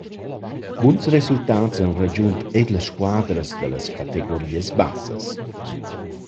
Buns resultats han ragiunt eir las squadras da las categorias bassas.